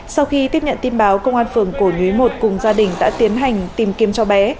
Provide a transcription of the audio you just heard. sau khi tiếp nhận tin báo công an phường cổ nhuế một cùng gia đình đã tiến hành tìm kiếm cho bé